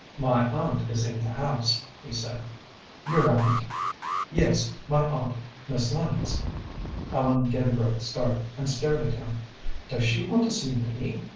"My aunt is in the house," he said. "Your aunt?" "Yes, my aunt, Miss Lennox." Ellen gave a great start, and stared at him. "Does she want to see me?"